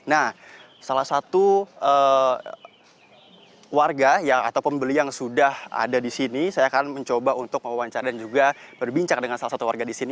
nah salah satu warga atau pembeli yang sudah ada di sini saya akan mencoba untuk mewawancara dan juga berbincang dengan salah satu warga di sini